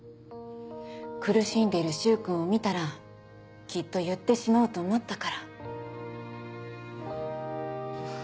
苦しんでいる柊君を見たらきっと言ってしまうと思ったから。